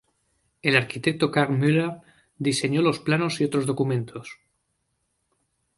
El arquitecto Carl Möller diseño los planos y otros documentos.